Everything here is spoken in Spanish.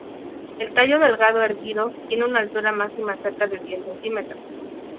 El tallo delgado erguido tiene una altura máxima cerca de diez centímetros.